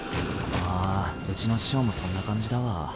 あうちの師匠もそんな感じだわ。